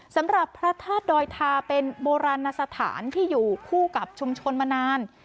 สำหรับพระธาตุดอยทาเป็นโบราณสถานที่อยู่คู่กับชุมชนมานาน